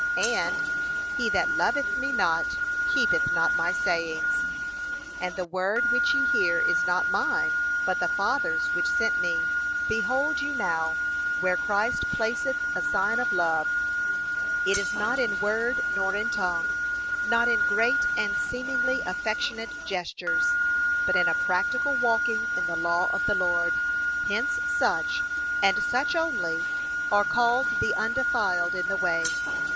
And, 'He that loveth me not, keepeth not my sayings.' 'And the word which ye hear is not mine, but the Father's which sent me.' Behold you now where Christ placeth a sign of love, it is not in word nor in tongue, not in great and seemingly affectionate gestures, but in a practical walking in the law of the Lord. Hence such, and such only, are called the undefiled in the way.